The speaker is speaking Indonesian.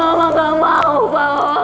bapak gak mau pak